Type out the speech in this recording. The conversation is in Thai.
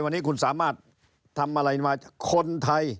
วันนี้คุณสามารถทำอะไรมาคนไทย